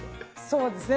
そうですね。